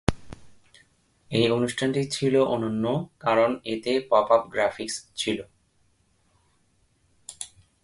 এই অনুষ্ঠানটি ছিল অনন্য, কারণ এতে পপ-আপ গ্রাফিক্স ছিল।